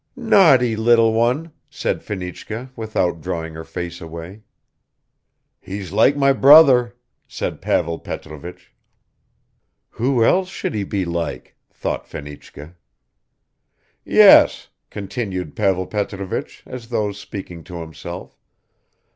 "Naughty little one," said Fenichka without drawing her face away. "He's like my brother," said Pavel Petrovich. "Who else should he be like?" thought Fenichka. "Yes," continued Pavel Petrovich as though speaking to himself.